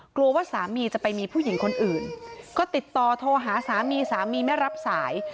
กลัวว่าสามีจะไปมีผู้หญิงคนอื่นก็ติดต่อโทรหาสามีสามีไม่รับสาย